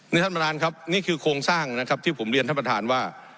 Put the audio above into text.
นี่ท่านประธานครับนี่คือโครงสร้างนะครับที่ผมเรียนท่านประธานว่า